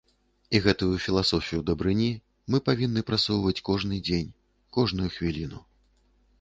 І гэтую філасофію дабрыні мы павінны прасоўваць кожны дзень, кожную хвіліну.